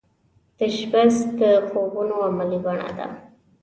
تشبث د خوبونو عملې بڼه ده